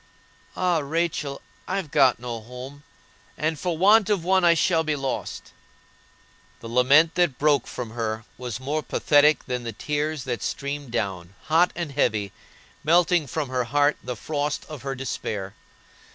ah, Rachel, I've got no home, and for want of one I shall be lost!" The lament that broke from her was more pathetic than the tears that streamed down, hot and heavy, melting from her heart the frost of her despair.